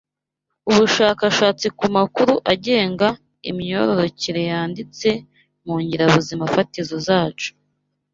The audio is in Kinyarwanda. ubushakashatsi ku makuru agenga imyororokere yanditse mu ngirabuzimafatizo zacu